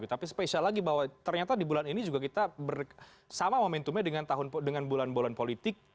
tapi spesial lagi bahwa ternyata di bulan ini juga kita bersama momentumnya dengan bulan bulan politik